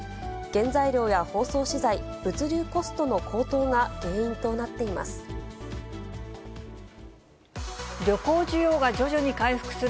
原材料や包装資材、物流コストの高騰が原因となっています。